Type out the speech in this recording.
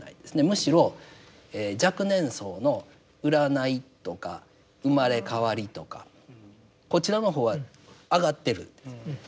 むしろ若年層の占いとか生まれ変わりとかこちらの方は上がっているんです。